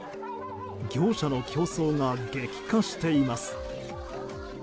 業者の競争が激化しています。